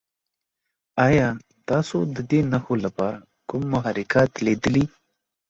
ایا تاسو د دې نښو لپاره کوم محرکات لیدلي؟